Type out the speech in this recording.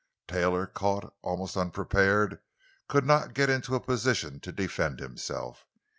Taylor, caught almost unprepared, could not get into a position to defend himself.